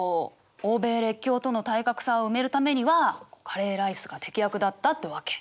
欧米列強との体格差を埋めるためにはカレーライスが適役だったってわけ。